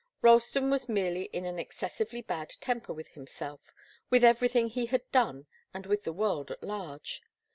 Ralston was merely in an excessively bad temper with himself, with everything he had done and with the world at large.